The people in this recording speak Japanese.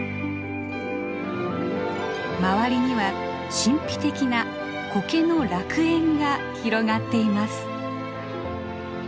周りには神秘的なコケの楽園が広がっています。